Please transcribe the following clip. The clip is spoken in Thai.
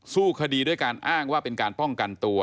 สู้คดีด้วยการอ้างว่าเป็นการป้องกันตัว